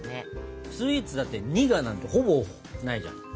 スイーツだって「苦」なんてほぼないじゃん。